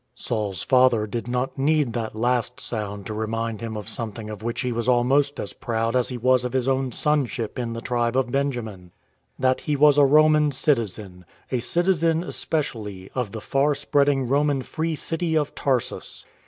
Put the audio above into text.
Saul's father did not need that last sound to remind him of something of which he was almost as proud as he was of his own sonship in the tribe of Benjamin ; that he was a Roman citizen, a citizen, especially, of the far spreading Roman free city of Tarsus.